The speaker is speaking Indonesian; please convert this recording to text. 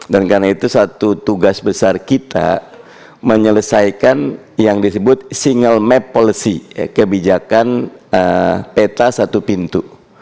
dan karena itu satu tugas besar kita menyelesaikan yang disebut single map policy kebijakan peta satu pintu